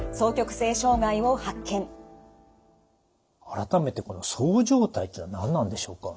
改めてこのそう状態っていうのは何なんでしょうか？